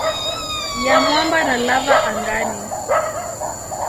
ya mwamba na lava angani.